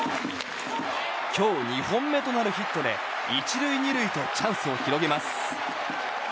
今日２本目となるヒットで１塁２塁とチャンスを広げます。